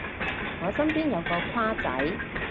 我身邊有個跨仔